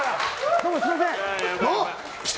どうもすみません。